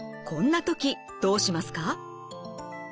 こんな時どうしますか？